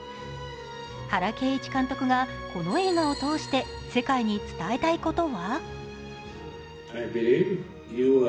原恵一監督がこの映画を通して世界に伝えたいことは？